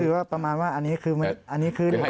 คือว่าประมาณว่าอันนี้คือเหล็กค่ะ